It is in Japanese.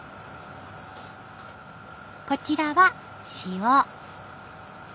こちらは塩。